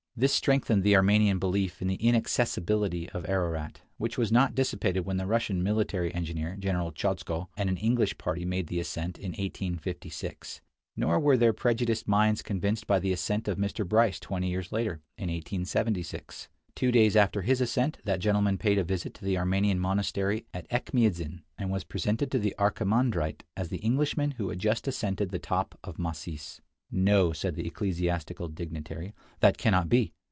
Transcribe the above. This strengthened the Armenian belief in the inaccessibility of Ararat, which was not dissipated when the Russian military engineer, General Chodzko, and an English party made the ascent in 1856. Nor were their prejudiced minds convinced by the ascent of Mr. Bryce twenty years later, in 1876. Two days after his ascent, that gentleman paid a visit to the Armenian monastery at Echmiadzin, and was presented to the archimandrite as the Englishman who had just ascended to the top of "Masis." "No," said the ecclesiastical dignitary; "that cannot be.